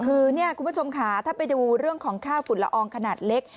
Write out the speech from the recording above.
คือเนี่ยคุณผู้ชมค่ะถ้าไปดูเรื่องของค่าฝุ่นละอองขนาดเล็ก